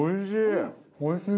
おいしい！